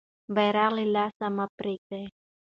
بیرغ له لاسه مه پرېږده.